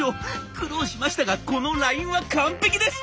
苦労しましたがこのラインは完璧です！